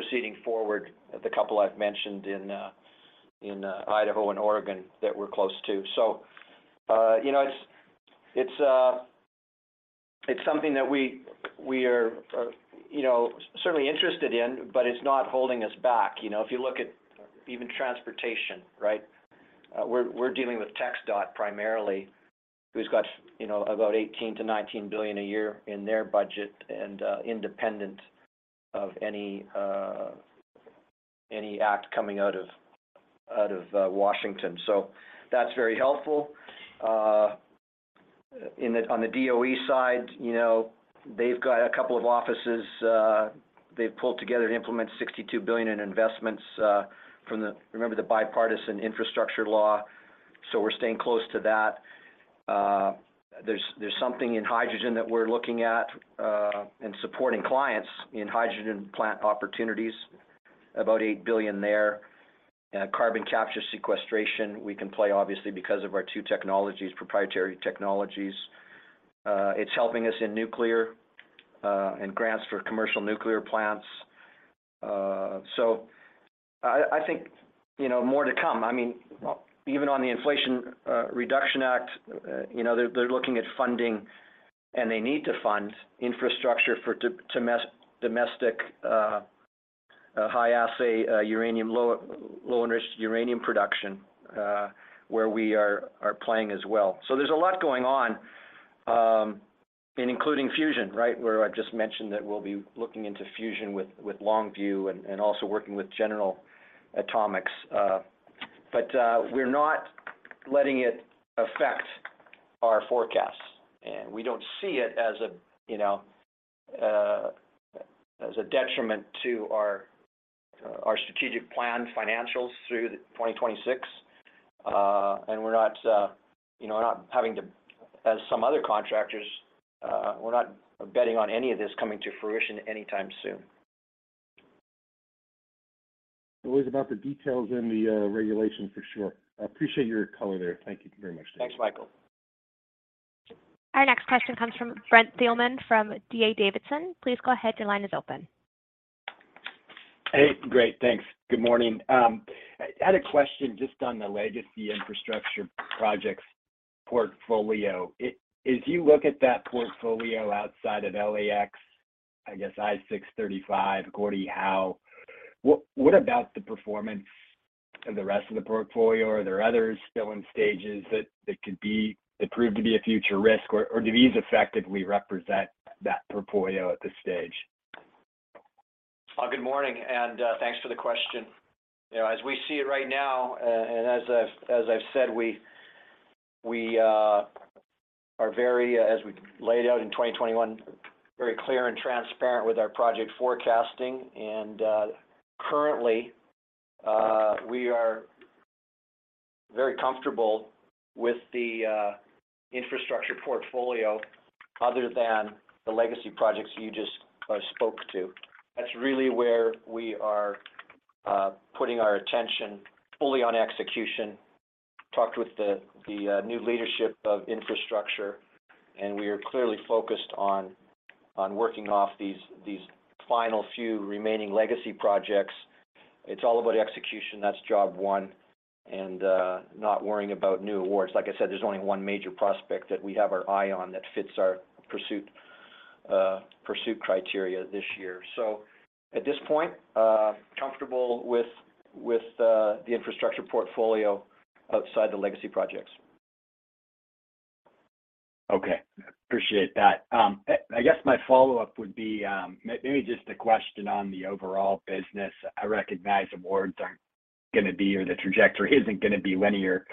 proceeding forward, the couple I've mentioned in Idaho and Oregon that we're close to. You know, it's, it's something that we are, you know, certainly interested in, but it's not holding us back. You know, if you look at even transportation, right? We're dealing with TxDOT primarily, who's got, you know, about $18 billion-$19 billion a year in their budget and independent of any act coming out of Washington. That's very helpful. On the DOE side, you know, they've got a couple of offices, they've pulled together to implement $62 billion in investments from the, remember, the Bipartisan Infrastructure Law. We're staying close to that. There's something in hydrogen that we're looking at and supporting clients in hydrogen plant opportunities, about $8 billion there. Carbon capture sequestration, we can play obviously because of our two technologies, proprietary technologies. It's helping us in nuclear and grants for commercial nuclear plants. I think, you know, more to come. I mean, even on the Inflation Reduction Act, you know, they're looking at funding, and they need to fund infrastructure for domestic high assay uranium, low enriched uranium production, where we are playing as well. There's a lot going on, and including fusion, right? Where I've just mentioned that we'll be looking into fusion with Longview and also working with General Atomics. We're not letting it affect our forecasts, and we don't see it as a, you know, as a detriment to our strategic plan financials through the 2026. As some other contractors, we're not betting on any of this coming to fruition anytime soon. Always about the details in the regulation for sure. I appreciate your color there. Thank you very much. Thanks, Michael. Our next question comes from Brent Thielman from D.A. Davidson. Please go ahead. Your line is open. Hey. Great. Thanks. Good morning. I had a question just on the legacy infrastructure projects portfolio. If you look at that portfolio outside of LAX, I guess I-635, Gordie Howe. What about the performance of the rest of the portfolio? Are there others still in stages that could be that prove to be a future risk or do these effectively represent that portfolio at this stage? Well, good morning, and thanks for the question. You know, as we see it right now, and as I've said, we are very, as we laid out in 2021, very clear and transparent with our project forecasting. Currently, we are very comfortable with the infrastructure portfolio other than the legacy projects you just spoke to. That's really where we are putting our attention fully on execution. Talked with the new leadership of infrastructure, and we are clearly focused on working off these final few remaining legacy projects. It's all about execution. That's job one, and not worrying about new awards. Like I said, there's only one major prospect that we have our eye on that fits our pursuit criteria this year. At this point, comfortable with the infrastructure portfolio outside the legacy projects. Okay. Appreciate that. I guess my follow-up would be, maybe just a question on the overall business. I recognize awards aren't gonna be or the trajectory isn't gonna be linear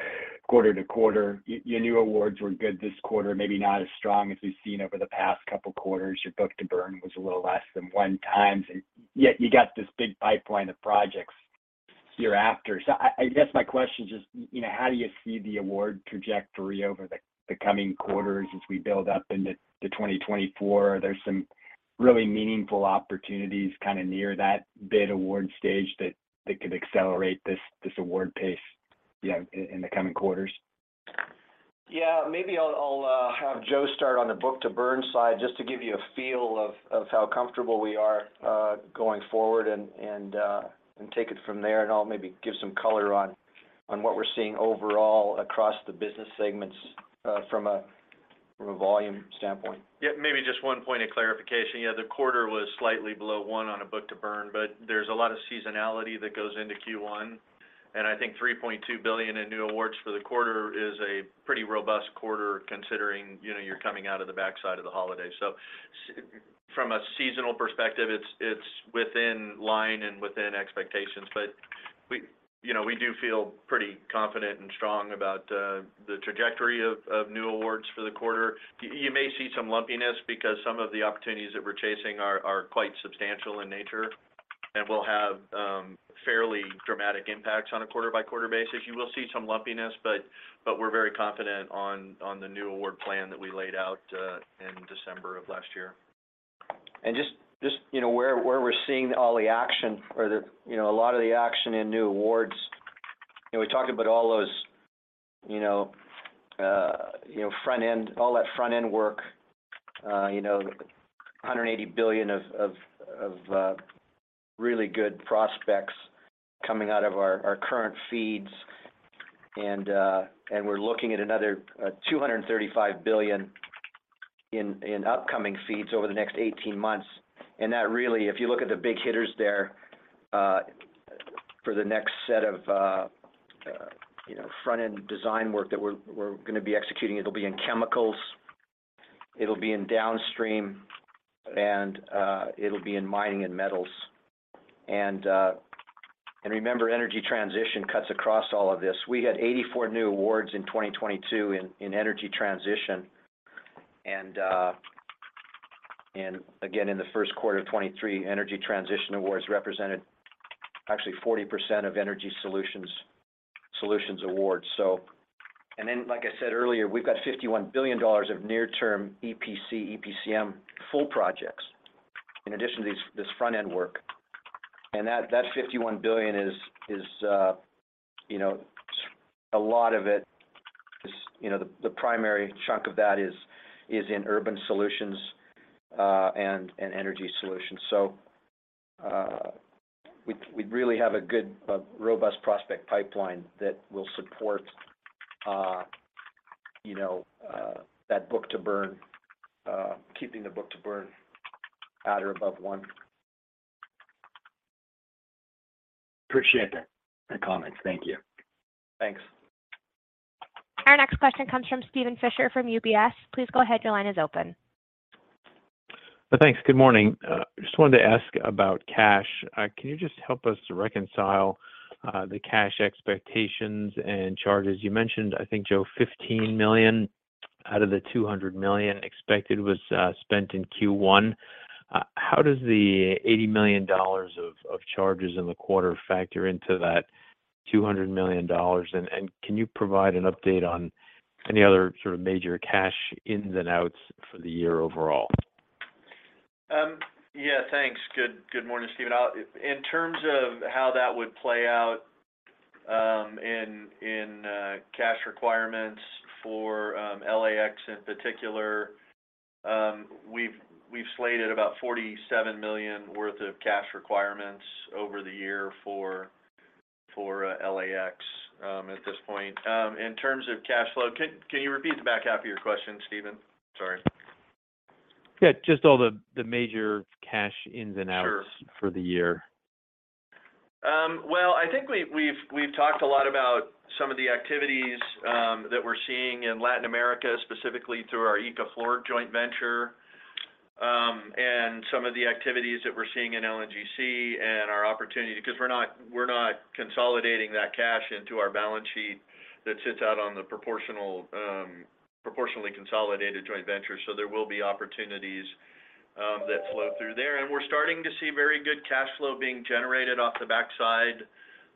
quarter to quarter. Your new awards were good this quarter, maybe not as strong as we've seen over the past couple quarters. Your book to burn was a little less than 1 times, yet you got this big pipeline of projects year after. I guess my question is just, you know, how do you see the award trajectory over the coming quarters as we build up into 2024? Are there some really meaningful opportunities kind of near that bid award stage that could accelerate this award pace you have in the coming quarters? Yeah. Maybe I'll have Joe start on the book to burn side just to give you a feel of how comfortable we are going forward and take it from there, and I'll maybe give some color on what we're seeing overall across the business segments from a volume standpoint. Maybe just one point of clarification. The quarter was slightly below one on a book to burn, there's a lot of seasonality that goes into Q1. I think $3.2 billion in new awards for the quarter is a pretty robust quarter considering, you know, you're coming out of the backside of the holiday. From a seasonal perspective, it's within line and within expectations. We, you know, we do feel pretty confident and strong about the trajectory of new awards for the quarter. You may see some lumpiness because some of the opportunities that we're chasing are quite substantial in nature and will have fairly dramatic impacts on a quarter-by-quarter basis. You will see some lumpiness, but we're very confident on the new award plan that we laid out in December of last year. Just, you know, where we're seeing all the action or the, you know, a lot of the action in new awards, you know, we talked about all those, you know, front-end, all that front-end work, you know, $180 billion of really good prospects coming out of our current FEEDs. We're looking at another $235 billion in upcoming FEEDs over the next 18 months. That really, if you look at the big hitters there, for the next set of, you know, front-end design work that we're gonna be executing, it'll be in chemicals, it'll be in downstream, and it'll be in mining and metals. Remember, energy transition cuts across all of this. We had 84 new awards in 2022 in energy transition. Again, in the first quarter of 2023, energy transition awards represented actually 40% of Energy Solutions awards. Like I said earlier, we've got $51 billion of near-term EPC, EPCM full projects in addition to this front-end work. That $51 billion is, you know, a lot of it is, you know, the primary chunk of that is in Urban Solutions and in Energy Solutions. We really have a good, robust prospect pipeline that will support, you know, that book to burn, keeping the book to burn at or above 1. Appreciate the comments. Thank you. Thanks. Our next question comes from Steven Fisher from UBS. Please go ahead. Your line is open. Thanks. Good morning. Just wanted to ask about cash. Can you just help us reconcile the cash expectations and charges? You mentioned, I think, Joe Brennan, $15 million out of the $200 million expected was spent in Q1. How does the $80 million of charges in the quarter factor into that $200 million? Can you provide an update on any other sort of major cash ins and outs for the year overall? Yeah, thanks. Good morning, Steven. In terms of how that would play out, in cash requirements for LAX in particular, we've slated about $47 million worth of cash requirements over the year for LAX at this point. In terms of cash flow, can you repeat the back half of your question, Steven? Sorry. Yeah. Just all the major cash ins and outs... Sure for the year. Well, I think we've talked a lot about some of the activities that we're seeing in Latin America, specifically through our Ecoflor joint venture, and some of the activities that we're seeing in LNGC and our opportunity, 'cause we're not, we're not consolidating that cash into our balance sheet that sits out on the proportional, proportionally consolidated joint venture. There will be opportunities that flow through there. We're starting to see very good cash flow being generated off the backside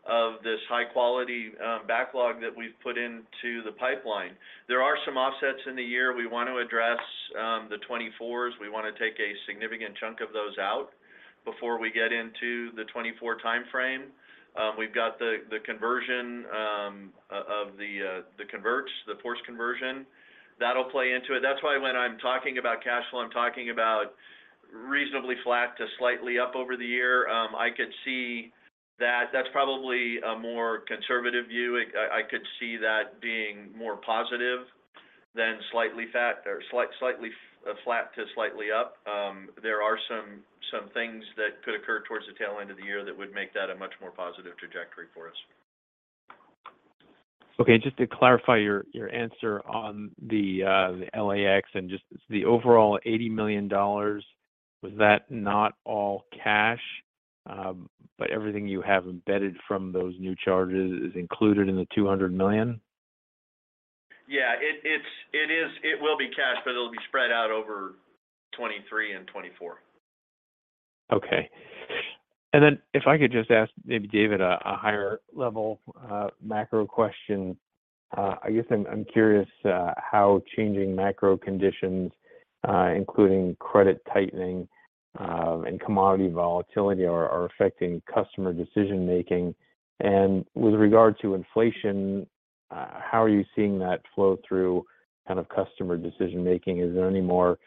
of this high quality backlog that we've put into the pipeline. There are some offsets in the year. We want to address the 2024s. We wanna take a significant chunk of those out before we get into the 2024 timeframe. We've got the conversion of the converts, the forced conversion. That'll play into it. That's why when I'm talking about cash flow, I'm talking about reasonably flat to slightly up over the year. I could see that that's probably a more conservative view. I could see that being more positive than flat to slightly up. There are some things that could occur towards the tail end of the year that would make that a much more positive trajectory for us. Okay. Just to clarify your answer on the LAX and just the overall $80 million, was that not all cash, but everything you have embedded from those new charges is included in the $200 million? Yeah. It will be cash, but it'll be spread out over 2023 and 2024. Okay. If I could just ask maybe David a higher level macro question. I guess I'm curious how changing macro conditions, including credit tightening, and commodity volatility are affecting customer decision-making. With regard to inflation, how are you seeing that flow through kind of customer decision-making? Is there any more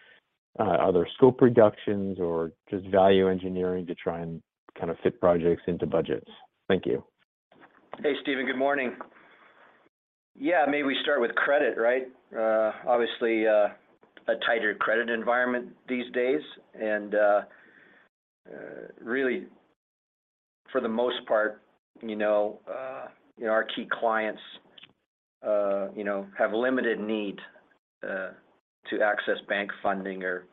other scope reductions or just value engineering to try and kind of fit projects into budgets? Thank you. Hey, Steven. Good morning. Yeah. Maybe we start with credit, right? Obviously, a tighter credit environment these days. Really for the most part, you know, our key clients, you know, have limited need to access bank funding or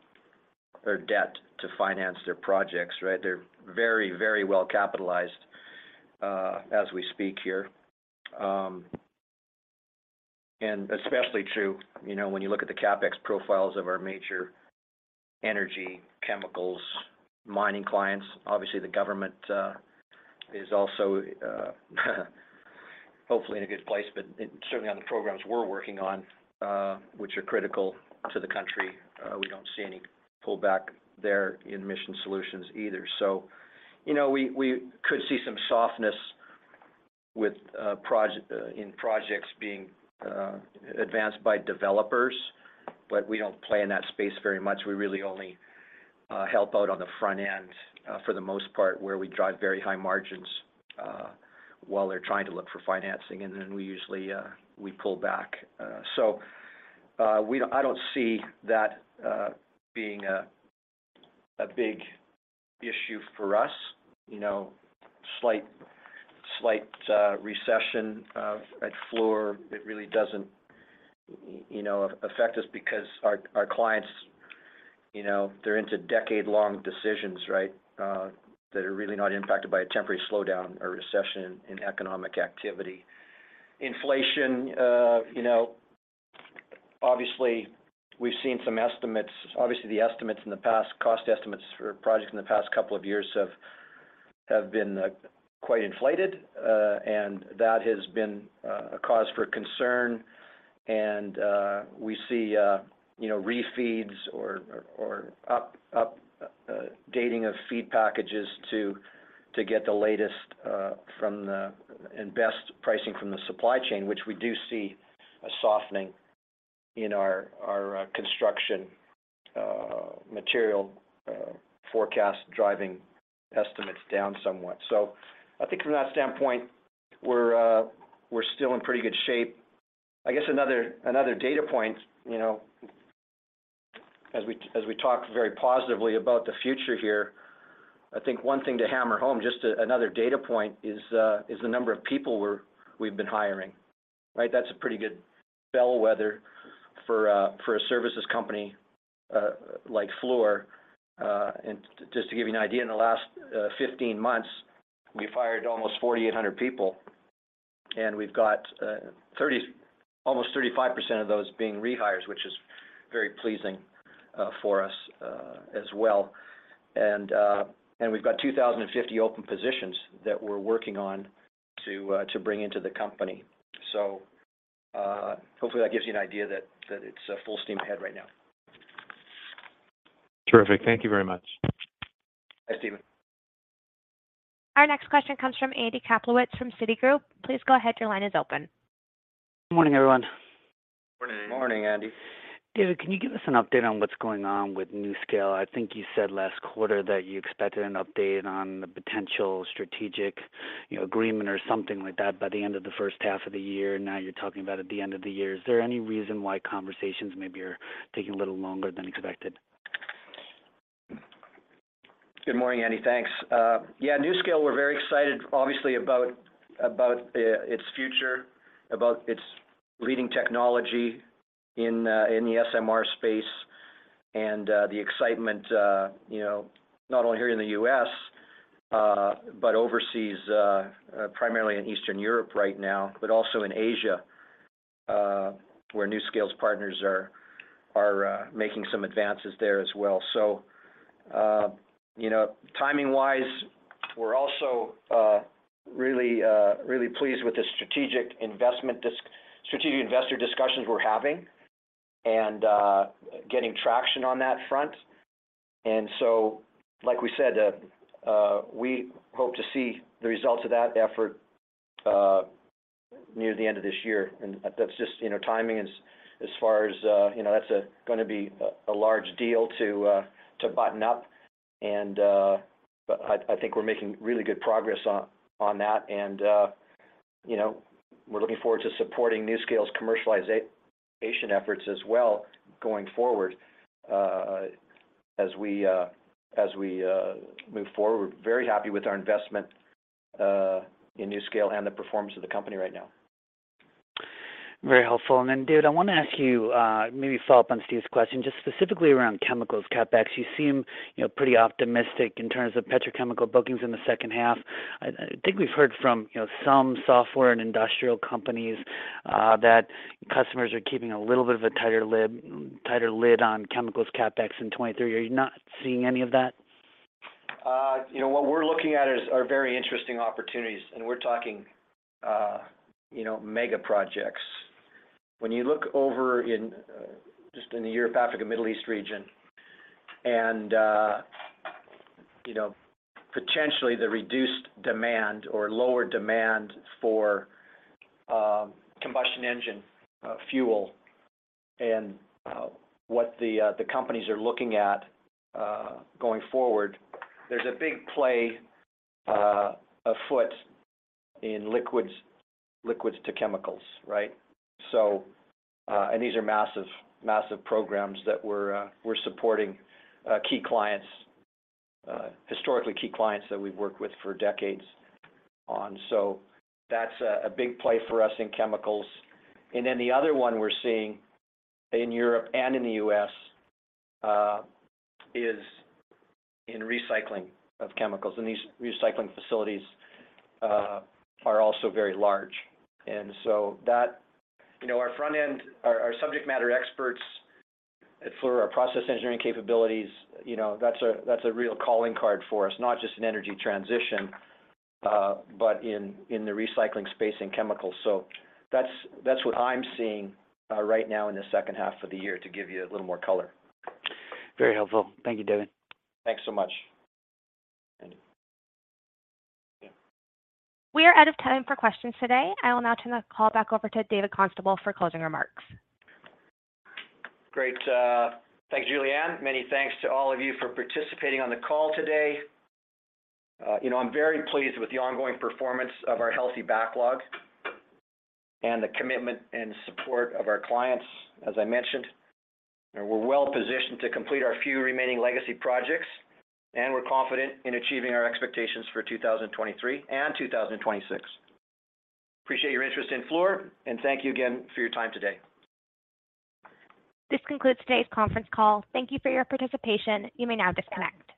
debt to finance their projects, right? They're very, very well capitalized, as we speak here. Especially true, you know, when you look at the CapEx profiles of our major energy, chemicals, mining clients. Obviously, the government is also hopefully in a good place, but certainly on the programs we're working on, which are critical to the country, we don't see any pullback there in Mission Solutions either. You know, we could see some softness with in projects being advanced by developers, but we don't play in that space very much. We really only help out on the front end, for the most part, where we drive very high margins, while they are trying to look for financing, and then we usually, we pull back. I don't see that being a big issue for us. You know, slight recession at Fluor, it really doesn't, you know, affect us because our clients, you know, they're into decade-long decisions, right, that are really not impacted by a temporary slowdown or recession in economic activity. Inflation, you know, obviously we've seen some estimates. Obviously, the estimates in the past, cost estimates for projects in the past couple of years have been quite inflated, and that has been a cause for concern. We see, you know, refeeds or dating of FEED packages to get the latest and best pricing from the supply chain, which we do see a softening in our construction material forecast driving estimates down somewhat. I think from that standpoint, we're still in pretty good shape. I guess another data point, you know, as we talk very positively about the future here, I think one thing to hammer home, just another data point is the number of people we've been hiring, right? That's a pretty good bellwether for a services company, like Fluor. Just to give you an idea, in the last 15 months, we fired almost 4,800 people, and we've got almost 35% of those being rehires, which is very pleasing for us as well. We've got 2,050 open positions that we're working on to bring into the company. Hopefully that gives you an idea that it's full steam ahead right now. Terrific. Thank you very much. Bye, Steven. Our next question comes from Andy Kaplowitz from Citigroup. Please go ahead, your line is open. Good morning, everyone. Morning. Morning, Andy. David, can you give us an update on what's going on with NuScale? I think you said last quarter that you expected an update on the potential strategic, you know, agreement or something like that by the end of the first half of the year. Now you're talking about at the end of the year. Is there any reason why conversations maybe are taking a little longer than expected? Good morning, Andy. Thanks. Yeah, NuScale, we're very excited obviously about its future, about its leading technology in the SMR space and the excitement, you know, not only here in the U.S., but overseas, primarily in Eastern Europe right now, but also in Asia, where NuScale's partners are making some advances there as well. You know, timing-wise, we're also really pleased with the strategic investor discussions we're having and getting traction on that front. Like we said, we hope to see the results of that effort near the end of this year. That's just, you know, timing as far as, you know, that's gonna be a large deal to button up and. I think we're making really good progress on that and, you know, we're looking forward to supporting NuScale's commercialization efforts as well going forward. As we move forward, we're very happy with our investment in NuScale and the performance of the company right now. Very helpful. David, I wanna ask you, maybe follow up on Steve's question just specifically around chemicals CapEx. You seem, you know, pretty optimistic in terms of petrochemical bookings in the second half. I think we've heard from, you know, some software and industrial companies, that customers are keeping a little bit of a tighter lid on chemicals CapEx in 2023. Are you not seeing any of that? You know, what we're looking at are very interesting opportunities, we're talking, you know, mega projects. When you look over in just in the Europe, Africa, Middle East region and, you know, potentially the reduced demand or lower demand for combustion engine fuel and what the companies are looking at going forward, there's a big play afoot in liquids to chemicals, right? These are massive programs that we're supporting key clients, historically key clients that we've worked with for decades on. That's a big play for us in chemicals. The other one we're seeing in Europe and in the U.S. is in recycling of chemicals, these recycling facilities are also very large. That... You know, our front end, our subject matter experts at Fluor, our process engineering capabilities, you know, that's a real calling card for us, not just in energy transition, but in the recycling space in chemicals. That's what I'm seeing right now in the second half of the year to give you a little more color. Very helpful. Thank you, David. Thanks so much, Andy. We are out of time for questions today. I will now turn the call back over to David Constable for closing remarks. Great. Thanks, Julianne. Many thanks to all of you for participating on the call today. You know, I'm very pleased with the ongoing performance of our healthy backlog and the commitment and support of our clients, as I mentioned. You know, we're well positioned to complete our few remaining legacy projects, and we're confident in achieving our expectations for 2023 and 2026. Appreciate your interest in Fluor, and thank you again for your time today. This concludes today's conference call. Thank you for your participation. You may now disconnect.